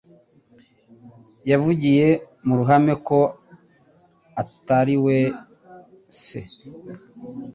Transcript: yavugiye muruhame ko atariwe se